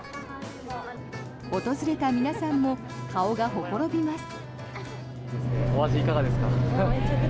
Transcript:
訪れた皆さんも顔がほころびます。